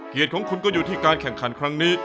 เหตุของคุณก็อยู่ที่การแข่งขันครั้งนี้